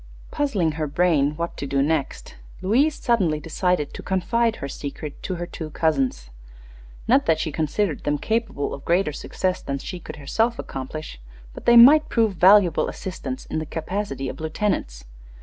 Puzzling her brain what to do next, Louise suddenly decided to confide her secret to her two cousins. Not that she considered them capable of a greater success than she could herself accomplish, but they might prove valuable assistants in the capacity of lieutenants.